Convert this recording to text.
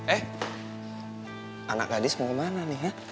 eh anak gadis mau kemana nih ya